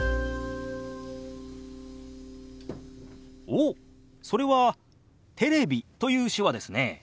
おっそれは「テレビ」という手話ですね。